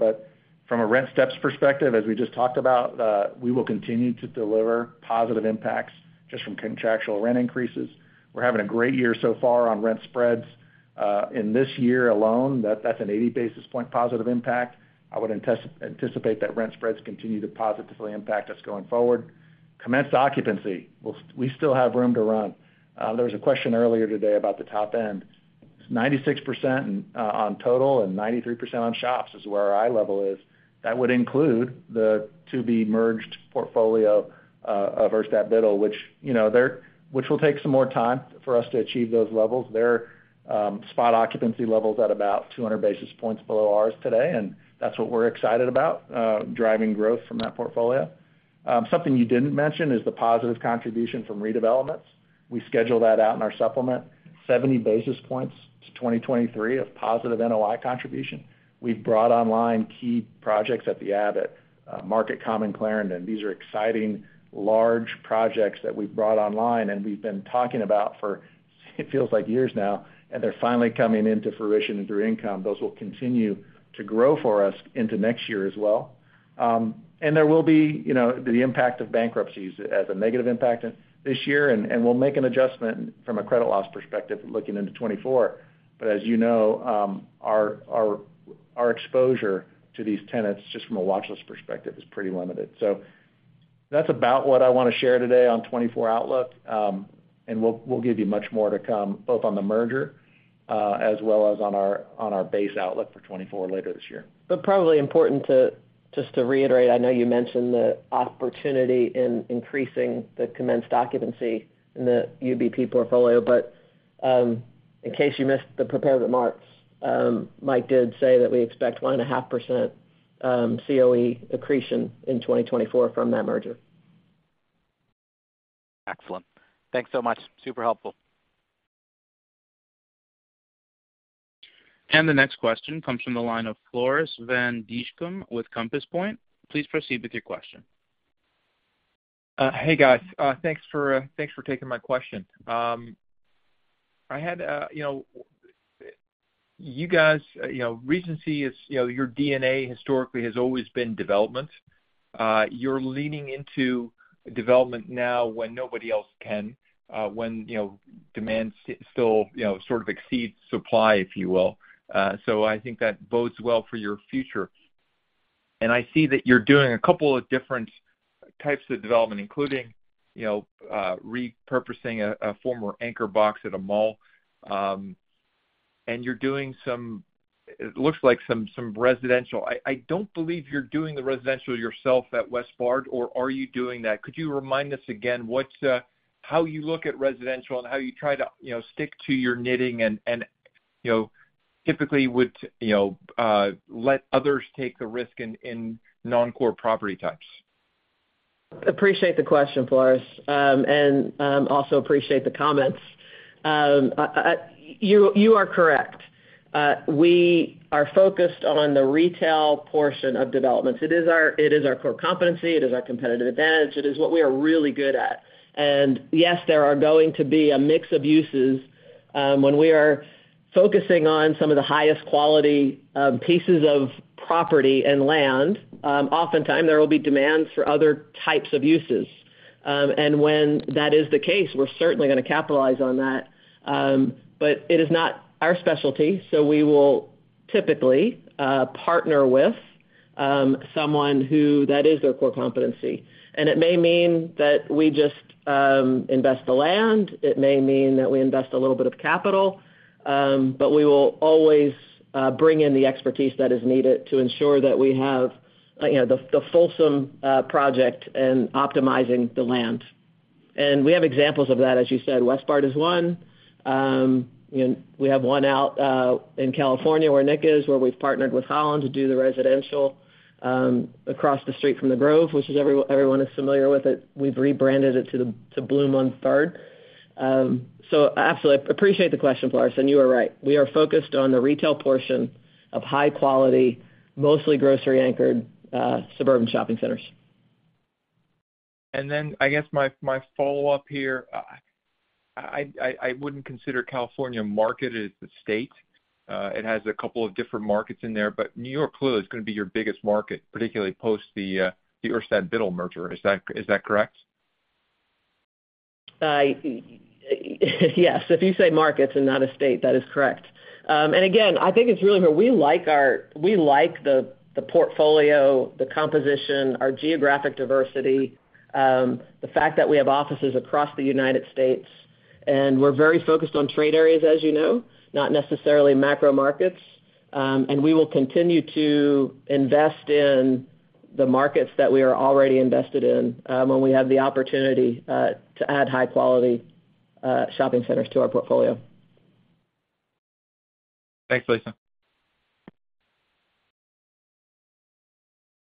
From a rent steps perspective, as we just talked about, we will continue to deliver positive impacts just from contractual rent increases. We're having a great year so far on rent spreads. In this year alone, that's an 80 basis point positive impact. I would anticipate that rent spreads continue to positively impact us going forward. Commenced occupancy, we still have room to run. There was a question earlier today about the top end. 96%, on total and 93% on shops is where our eye level is. That would include the to-be-merged portfolio, of Urstadt Biddle, which, you know, they're-- which will take some more time for us to achieve those levels. Their spot occupancy level's at about 200 basis points below ours today, and that's what we're excited about, driving growth from that portfolio. Something you didn't mention is the positive contribution from redevelopments. We scheduled that out in our supplement. 70 basis points to 2023 of positive NOI contribution. We've brought online key projects at the Abbott, Market Common Clarendon. These are exciting, large projects that we've brought online, and we've been talking about for, it feels like years now, and they're finally coming into fruition and through income. Those will continue to grow for us into next year as well. There will be, you know, the impact of bankruptcies as a negative impact this year, and, and we'll make an adjustment from a credit loss perspective looking into 2024. As you know, our, our, our exposure to these tenants, just from a watch list perspective, is pretty limited. That's about what I want to share today on 2024 outlook. We'll, we'll give you much more to come, both on the merger, as well as on our, on our base outlook for 2024 later this year. Probably important to, just to reiterate, I know you mentioned the opportunity in increasing the commenced occupancy in the UBP portfolio, but, in case you missed the prepared remarks, Mike did say that we expect 1.5% COE accretion in 2024 from that merger. Excellent. Thanks so much. Super helpful. The next question comes from the line of Floris van Dijkum with Compass Point. Please proceed with your question. Hey, guys, thanks for, thanks for taking my question. I had, you know, you guys, you know, Regency is, you know, your DNA historically has always been development. You're leaning into development now when nobody else can, when, you know, demand still, you know, sort of exceeds supply, if you will. I think that bodes well for your future. I see that you're doing 2 different types of development, including, you know, repurposing a, a former anchor box at a mall, and you're doing some, it looks like some, some residential. I, I don't believe you're doing the residential yourself at Westbard, or are you doing that? Could you remind us again, what's how you look at residential and how you try to, you know, stick to your knitting? you know, typically would, you know, let others take the risk in, in non-core property types? Appreciate the question, Floris. Also appreciate the comments. You are correct. We are focused on the retail portion of developments. It is our, it is our core competency, it is our competitive advantage, it is what we are really good at. Yes, there are going to be a mix of uses when we are focusing on some of the highest quality pieces of property and land, oftentimes there will be demands for other types of uses. When that is the case, we're certainly gonna capitalize on that, but it is not our specialty, so we will typically partner with someone who that is their core competency. and it may mean that we just invest the land. It may mean that we invest a little bit of capital, but we will always bring in the expertise that is needed to ensure that we have, you know, the fulsome project in optimizing the land. We have examples of that, as you said, Westbard is one. We have one out in California, where Nick is, where we've partnered with Holland to do the residential across the street from The Grove, which is everyone is familiar with it. We've rebranded it to Bloom on Third. Absolutely, appreciate the question, Floris, and you are right, we are focused on the retail portion of high quality, mostly grocery-anchored suburban shopping centers. I guess, my, my follow-up here. I, I, I wouldn't consider California a market, it's a state. It has a couple of different markets in there, but New York clearly is gonna be your biggest market, particularly post the, the Urstadt Biddle merger. Is that, is that correct? Yes, if you say markets and not a state, that is correct. Again, I think it's really where we like our-- we like the, the portfolio, the composition, our geographic diversity, the fact that we have offices across the United States, and we're very focused on trade areas, as you know, not necessarily macro markets. We will continue to invest in the markets that we are already invested in, when we have the opportunity, to add high quality, shopping centers to our portfolio. Thanks, Lisa.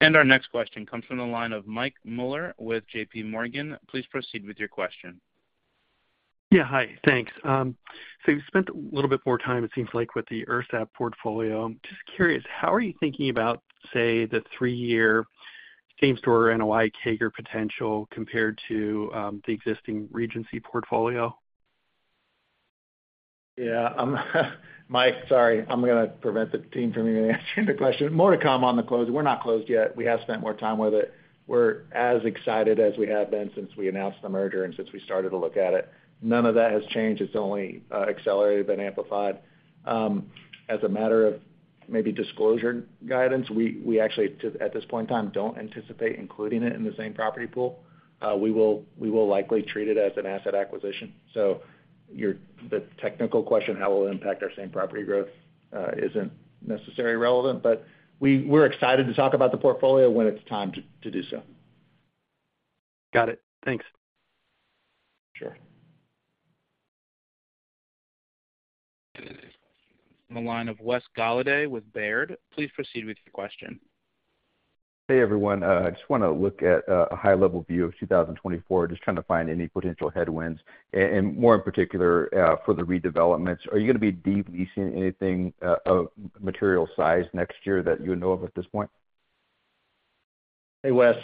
Our next question comes from the line of Michael Mueller with JP Morgan. Please proceed with your question. Yeah, hi. Thanks. You've spent a little bit more time, it seems like, with the Urstadt portfolio. Just curious, how are you thinking about, say, the three-year same store NOI CAGR potential compared to the existing Regency portfolio? Yeah, Mike, sorry, I'm gonna prevent the team from even answering the question. More to come on the close. We're not closed yet. We have spent more time with it. We're as excited as we have been since we announced the merger and since we started to look at it. None of that has changed. It's only accelerated and amplified. As a matter of maybe disclosure guidance, we, we actually, at this point in time, don't anticipate including it in the same property pool. We will, we will likely treat it as an asset acquisition. The technical question, how it will impact our same property growth, isn't necessarily relevant, but we're excited to talk about the portfolio when it's time to, to do so. Got it. Thanks. Sure. The line of Michael Mueller with JP Morgan.. Please proceed with your question. Hey, everyone, just wanna look at a, a high-level view of 2024. Just trying to find any potential headwinds, and more in particular, for the redevelopments. Are you gonna be de-leasing anything, of material size next year that you would know of at this point? Hey, Wes.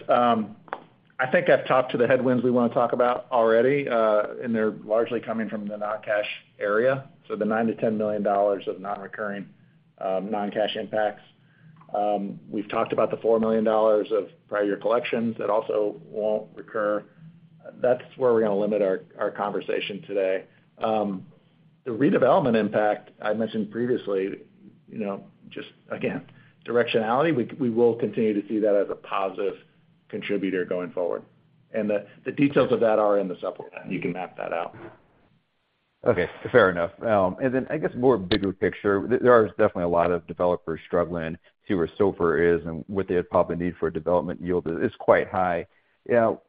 I think I've talked to the headwinds we wanna talk about already, and they're largely coming from the non-cash area, so the $9 million-$10 million of non-recurring, non-cash impacts. We've talked about the $4 million of prior year collections that also won't recur. That's where we're gonna limit our, our conversation today. The redevelopment impact I mentioned previously, you know, just again, directionality, we, we will continue to see that as a positive contributor going forward. The, the details of that are in the supplement, you can map that out. Okay, fair enough. I guess more bigger picture, there, there is definitely a lot of developers struggling to see where SOFR is and what they would probably need for a development yield is quite high. You know,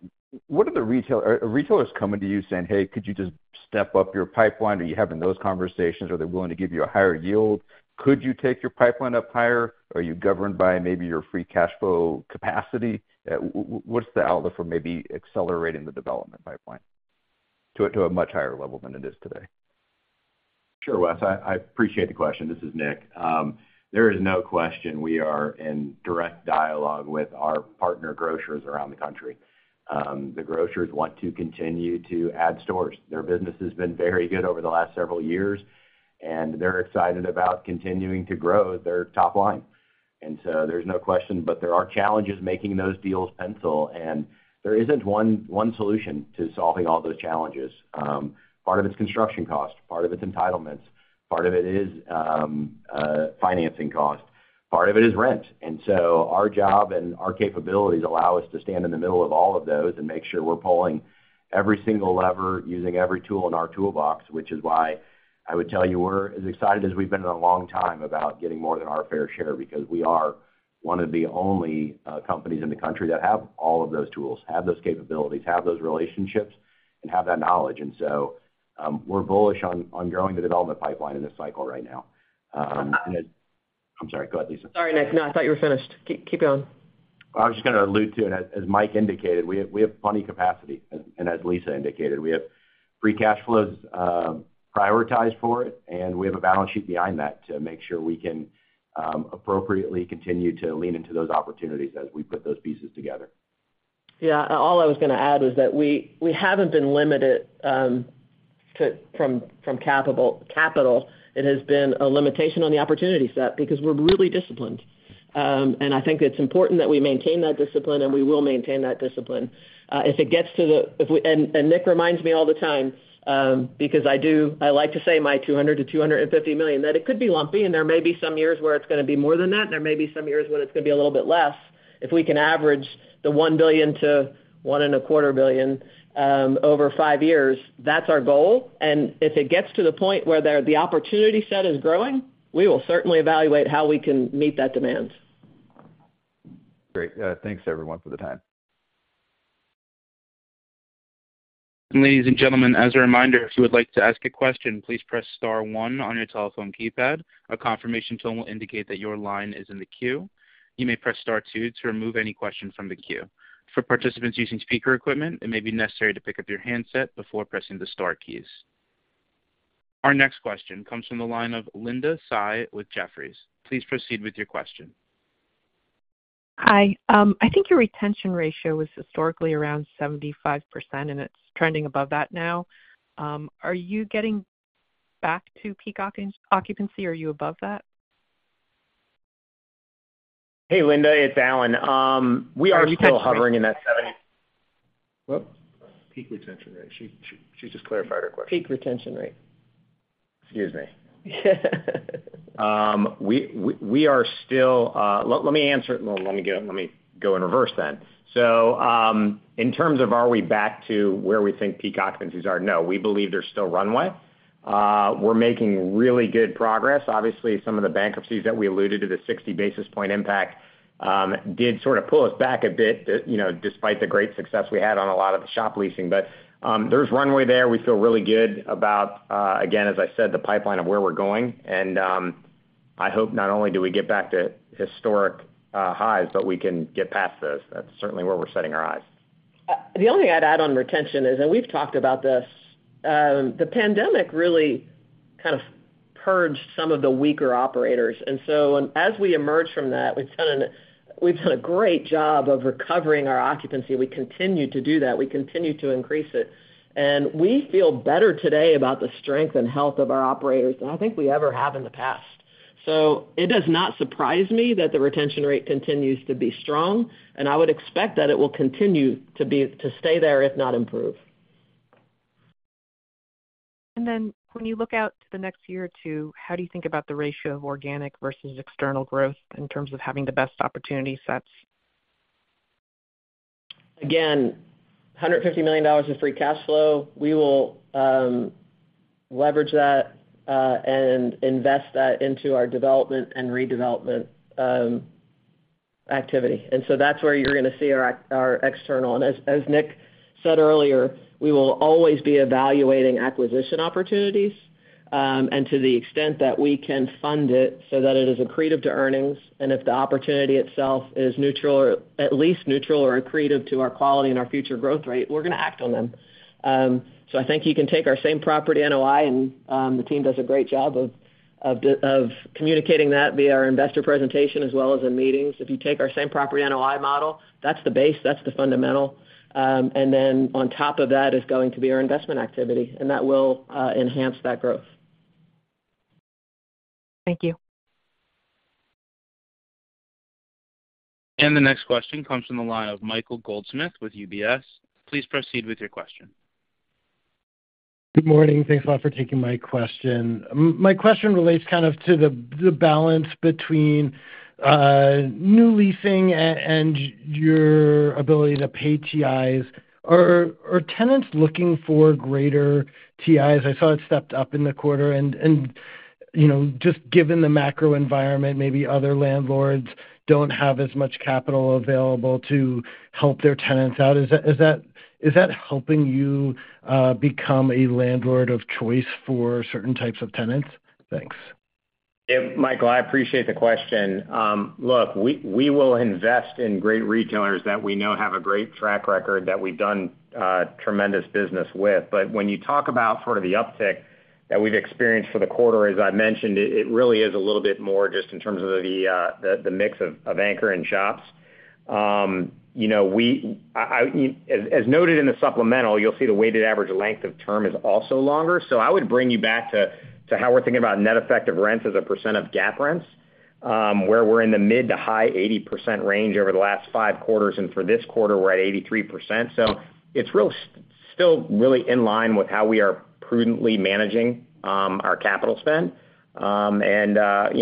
Are retailers coming to you saying, "Hey, could you just step up your pipeline?" Are you having those conversations? Are they willing to give you a higher yield? Could you take your pipeline up higher? Are you governed by maybe your free cash flow capacity? What's the outlook for maybe accelerating the development pipeline to a, to a much higher level than it is today? Sure, Wes. I, I appreciate the question. This is Nick. There is no question we are in direct dialogue with our partner grocers around the country. The grocers want to continue to add stores. Their business has been very good over the last several years, they're excited about continuing to grow their top line. There's no question, but there are challenges making those deals pencil, and there isn't one solution to solving all those challenges. Part of it's construction cost, part of it's entitlements, part of it is financing cost, part of it is rent. Our job and our capabilities allow us to stand in the middle of all of those and make sure we're pulling every single lever, using every tool in our toolbox, which is why I would tell you we're as excited as we've been in a long time about getting more than our fair share, because we are one of the only companies in the country that have all of those tools, have those capabilities, have those relationships, and have that knowledge. We're bullish on, on growing the development pipeline in this cycle right now. I'm sorry, go ahead, Lisa. Sorry, Nick. No, I thought you were finished. Keep going. Well, I'm just gonna allude to it. As, as Mike indicated, we have, we have plenty capacity, and, and as Lisa indicated, we have free cash flows, prioritized for it, and we have a balance sheet behind that to make sure we can appropriately continue to lean into those opportunities as we put those pieces together. Yeah, all I was gonna add is that we, we haven't been limited to, from capital. It has been a limitation on the opportunity set because we're really disciplined. I think it's important that we maintain that discipline, and we will maintain that discipline. Nick reminds me all the time, because I like to say my $200 million-$250 million, that it could be lumpy, and there may be some years where it's gonna be more than that, and there may be some years where it's gonna be a little bit less. If we can average the $1 billion-$1.25 billion over five years, that's our goal. If it gets to the point where the opportunity set is growing, we will certainly evaluate how we can meet that demand. Great. Thanks, everyone, for the time. Ladies and gentlemen, as a reminder, if you would like to ask a question, please press star one on your telephone keypad. A confirmation tone will indicate that your line is in the queue. You may press star two to remove any question from the queue. For participants using speaker equipment, it may be necessary to pick up your handset before pressing the star keys. Our next question comes from the line of Linda Tsai with Jefferies. Please proceed with your question. Hi. I think your retention ratio was historically around 75%, and it's trending above that now. Are you getting back to peak occupancy, or are you above that? Hey, Linda, it's Alan. We are still hovering in that seventy-. Whoop! Peak retention rate. She just clarified her question. Peak retention rate. Excuse me. We are still. Let me answer it. Well, let me get it, let me go in reverse then. In terms of are we back to where we think peak occupancies are, no. We believe there's still runway. We're making really good progress. Obviously, some of the bankruptcies that we alluded to, the 60 basis point impact, did sort of pull us back a bit, you know, despite the great success we had on a lot of the shop leasing. There's runway there. We feel really good about, again, as I said, the pipeline of where we're going. I hope not only do we get back to historic highs, but we can get past those. That's certainly where we're setting our eyes. The only thing I'd add on retention is, and we've talked about this, the pandemic really kind of purged some of the weaker operators. As we emerge from that, we've done a great job of recovering our occupancy. We continue to do that. We continue to increase it. We feel better today about the strength and health of our operators than I think we ever have in the past. It does not surprise me that the retention rate continues to be strong, and I would expect that it will continue to stay there, if not improve. Then when you look out to the next year or two, how do you think about the ratio of organic versus external growth in terms of having the best opportunity sets? Again, $150 million in free cash flow, we will leverage that and invest that into our development and redevelopment activity. That's where you're gonna see our, our external. As Nick said earlier, we will always be evaluating acquisition opportunities, and to the extent that we can fund it so that it is accretive to earnings, and if the opportunity itself is neutral or at least neutral or accretive to our quality and our future growth rate, we're gonna act on them. I think you can take our same property NOI, and the team does a great job of, of the, of communicating that via our investor presentation as well as in meetings. If you take our same property NOI model, that's the base, that's the fundamental. Then on top of that is going to be our investment activity, and that will enhance that growth. Thank you. The next question comes from the line of Michael Goldsmith with UBS. Please proceed with your question. Good morning. Thanks a lot for taking my question. My question relates kind of to the, the balance between new leasing and your ability to pay TIs. Are tenants looking for greater TIs? I saw it stepped up in the quarter, and, you know, just given the macro environment, maybe other landlords don't have as much capital available to help their tenants out. Is that helping you become a landlord of choice for certain types of tenants? Thanks. Yeah, Michael, I appreciate the question. Look, we will invest in great retailers that we know have a great track record, that we've done tremendous business with. When you talk about sort of the uptick that we've experienced for the quarter, as I mentioned, it really is a little bit more just in terms of the mix of anchor and shops. You know, as noted in the supplemental, you'll see the weighted average length of term is also longer. I would bring you back to how we're thinking about net effective rents as a percent of GAAP rents, where we're in the mid to high 80% range over the last 5 quarters, and for this quarter, we're at 83%. It's still really in line with how we are prudently managing, our capital spend. You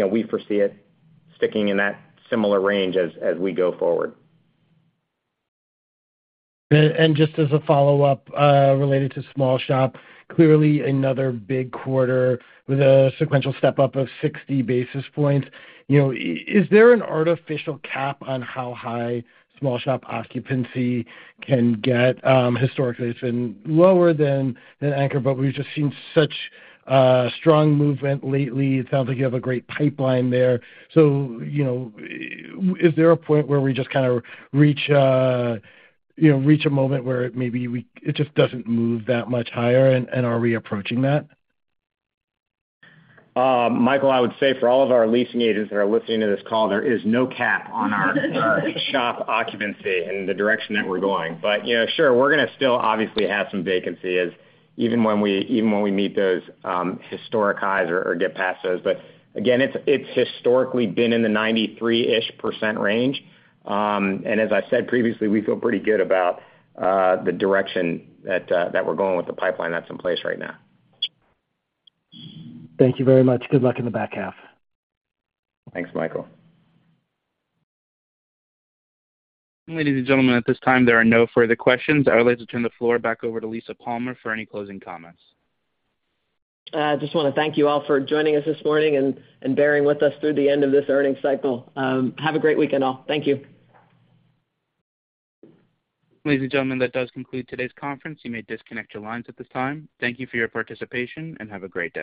know, we foresee it sticking in that similar range as, as we go forward. Just as a follow-up, related to small shop, clearly another big quarter with a sequential step up of 60 basis points. You know, is there an artificial cap on how high small shop occupancy can get? Historically, it's been lower than, than anchor, but we've just seen such strong movement lately. It sounds like you have a great pipeline there. You know, is there a point where we just kind of reach, you know, reach a moment where maybe it just doesn't move that much higher, and, and are we approaching that? Michael, I would say for all of our leasing agents that are listening to this call, there is no cap on our shop occupancy and the direction that we're going. You know, sure, we're gonna still obviously have some vacancy as even when we, even when we meet those historic highs or or get past those. Again, it's historically been in the 93%-ish range. And as I said previously, we feel pretty good about the direction that we're going with the pipeline that's in place right now. Thank you very much. Good luck in the back half. Thanks, Michael. Ladies and gentlemen, at this time, there are no further questions. I would like to turn the floor back over to Lisa Palmer for any closing comments. Just wanna thank you all for joining us this morning and, and bearing with us through the end of this earnings cycle. Have a great weekend, all. Thank you. Ladies and gentlemen, that does conclude today's conference. You may disconnect your lines at this time. Thank you for your participation, and have a great day.